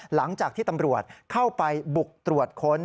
หลังจากที่ตำรวจเข้าไปบุกตรวจค้น